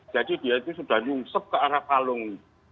jadi dia itu sudah nyusup ke arah palung